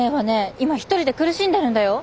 今一人で苦しんでるんだよ？